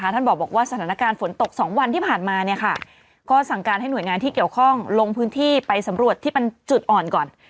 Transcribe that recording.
ท่านบอกว่าสถานการณ์ฝนตก๒วันที่ผ่านมาก็สั่งการให้หน่วยงานที่เกี่ยวข้องลงพื้นที่ไปสำรวจที่เป็นจุดอ่อนก่อน